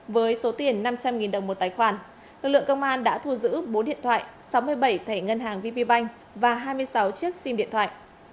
với số tiền năm trăm linh đồng một tài khoản lực lượng công an đã thu giữ bốn điện thoại sáu mươi bảy thẻ ngân hàng vp bank và hai mươi sáu chiếc sim điện thoại